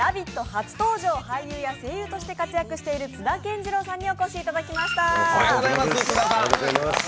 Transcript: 初登場、俳優や声優として活躍している津田健次郎さんにお越しいただきました。